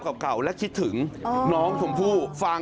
ก็ตอบได้คำเดียวนะครับ